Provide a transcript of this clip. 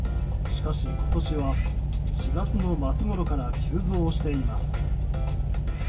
しかし今年は、４月の末ごろから急増しています。